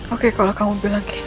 oke kalau kamu bilang kayak gitu